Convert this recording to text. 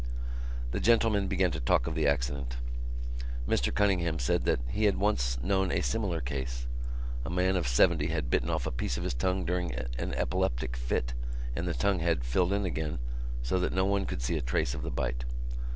The gentlemen began to talk of the accident. Mr Cunningham said that he had once known a similar case. A man of seventy had bitten off a piece of his tongue during an epileptic fit and the tongue had filled in again so that no one could see a trace of the bite.